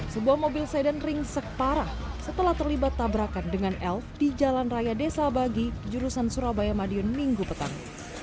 sebuah mobil sedan ringsek parah setelah terlibat tabrakan dengan elf di jalan raya desa bagi jurusan surabaya madiun minggu petang